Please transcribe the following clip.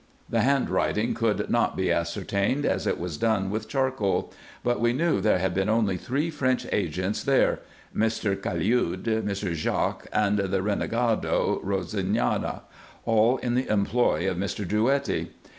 The hand writing could not be ascertained, as it was done with charcoal ; but we knew there had been only three French agents there, Mr. Caliud, Mr. Jaques, and the renegado Eosignana, all in the employ of Mr. Drouetti.